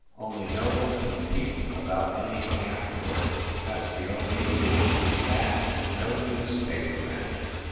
Only, no one can peep about any thing afterward. That s the only rule; that, and no newspaper men.